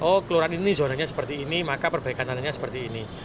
oh kelurahan ini zonanya seperti ini maka perbaikan jalannya seperti ini